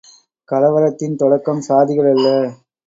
கலவரத்தின் தொடக்கம் சாதிகள் அல்ல!